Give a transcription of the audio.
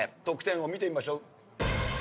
得点を見てみましょう。